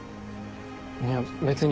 いや別に。